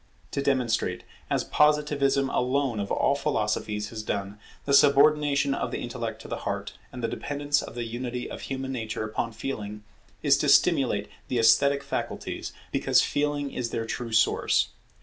To demonstrate, as Positivism alone of all philosophies has done, the subordination of the intellect to the heart, and the dependence of the unity of human nature upon Feeling, is to stimulate the esthetic faculties, because Feeling is their true source.